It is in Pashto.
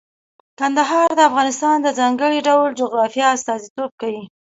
کندهار د افغانستان د ځانګړي ډول جغرافیه استازیتوب کوي.